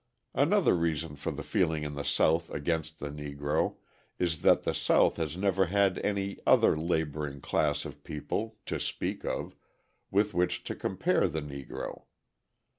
Another reason for the feeling in the South against the Negro is that the South has never had any other labouring class of people (to speak of) with which to compare the Negro.